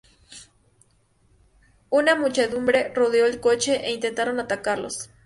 Una muchedumbre rodeó el coche e intentaron atacarlos.